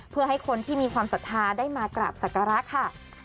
เพื่อให้คนที่มีความศรัทธาได้มากราบศักระค่ะ